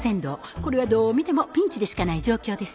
これはどう見てもピンチでしかない状況です。